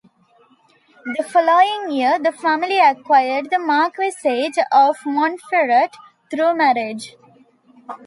The following year, the family acquired the Marquisate of Montferrat through marriage.